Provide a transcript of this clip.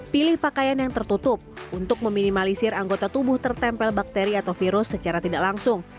pilih pakaian yang tertutup untuk meminimalisir anggota tubuh tertempel bakteri atau virus secara tidak langsung